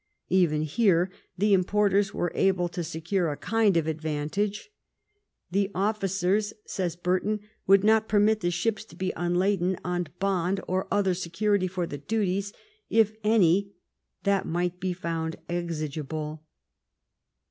Even here the importers were able to secure a sort of advantage. " The officers," says Burton, " would not permit the ships to be unladen on bond or other security for the duties, if any, that might be found exigible."